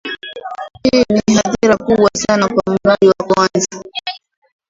hii ni hadhira kubwa sana kwa mradi wa kuanza